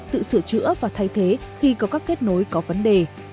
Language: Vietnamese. tự sửa chữa và thay thế khi có các kết nối có vấn đề